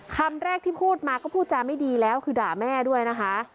คำแรกที่พูดมาก็พูดจาไม่ดีแล้วคือด่าแม่ด้วยนะคะ